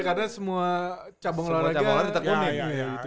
karena semua cabang olahraga